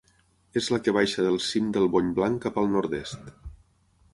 És la que baixa del cim del Bony Blanc cap al nord-est.